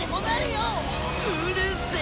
うるせえ！